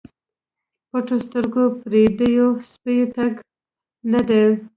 پټو سترګو پردیو پسې تګ نه دی.